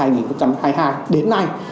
năm hai nghìn hai mươi hai đến nay